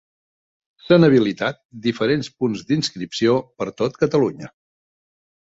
S'han habilitat diferents punts d'inscripció per tot Catalunya.